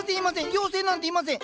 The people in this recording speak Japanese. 妖精なんていません！